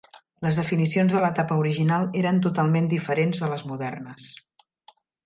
Les definicions de l'etapa original eren totalment diferents de les modernes.